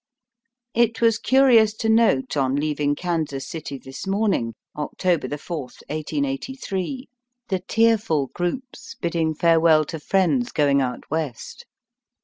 It was curious to note on leaving Kansas City this morning (October 4, 1883), the tearful groups bidding farewell to friends going out West.